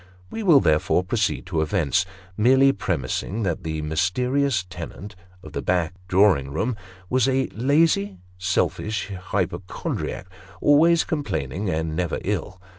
We will therefore proceed to events, merely premising that the mysterious tenant of the back drawing room was a lazy, selfish hypochondriac ; always complaining and never ill.